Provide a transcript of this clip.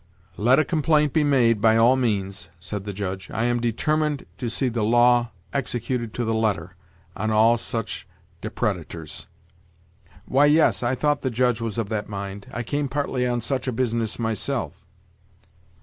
"Let a complaint be made, by all means," said the Judge; "I am determined to see the law executed to the letter, on all such depredators." "Why, yes, I thought the judge was of that mind; I came partly on such a business myself."